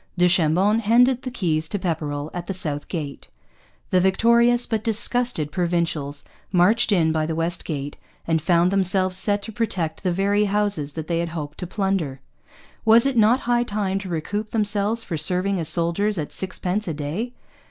Du Chambon handed the keys to Pepperrell at the South Gate. The victorious but disgusted Provincials marched in by the West Gate, and found themselves set to protect the very houses that they had hoped to plunder. Was it not high time to recoup themselves for serving as soldiers at sixpence a day?